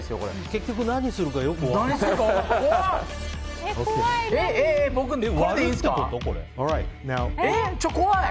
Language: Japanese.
結局何するかよく分からない。